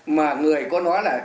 mà người có nói là